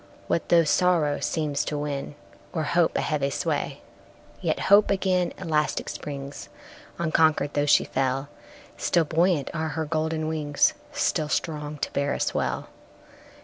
What though sorrow seems to win, O'er hope, a heavy sway? Yet Hope again elastic springs, Unconquered, though she fell; Still buoyant are her golden wings, Still strong to bear us well.